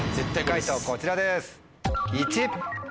解答こちらです。